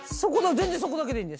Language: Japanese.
全然そこだけでいいんです。